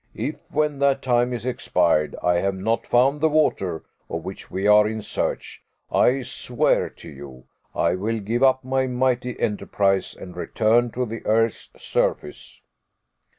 If, when that time is expired, I have not found the water of which we are in search, I swear to you, I will give up my mighty enterprise and return to the earth's surface."